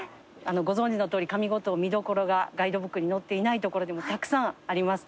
ご存じのとおり上五島見どころがガイドブックに載っていない所でもたくさんあります。